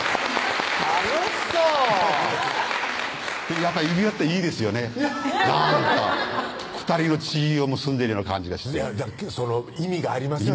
やっぱ指輪っていいですよねなんか２人の血を結んでるような感じがして意味がありますよね